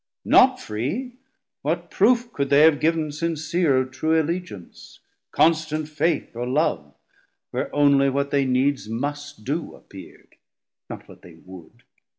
Not free, what proof could they have givn sincere Of true allegiance, constant Faith or Love, Where onely what they needs must do, appeard, Not what they would?